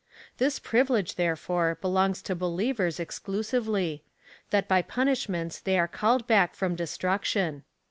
This privilege, therefore, belongs to believers exclusively — that by punishments they are called back from destruction.